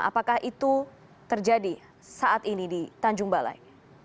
apakah itu terjadi saat ini di tanjung balai